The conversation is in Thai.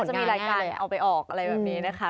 จะมีรายการเอาไปออกอะไรแบบนี้นะคะ